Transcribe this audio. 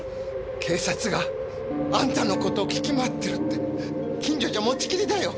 警察があんたのこと聞き回ってるって近所じゃ持ちきりだよ。